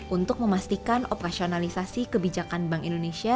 untuk memastikan operasionalisasi kebijakan bank indonesia